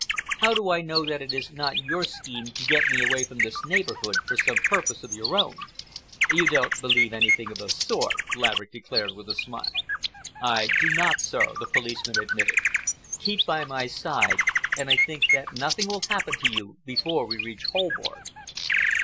How do I know that it is not your scheme to get me away from this neighborhood for some purpose of your own?" "You don't believe anything of the sort," Laverick declared, with a smile. "I do not, sir," the policeman admitted. "Keep by my side, and I think that nothing will happen to you before we reach Holborn."